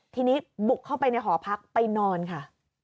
ทีนี้บุกเข้าไปในหอพักไปนอนค่ะ